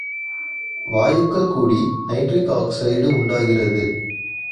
வாயுக்கள் கூடி nitric oxide உண்டாகிறது.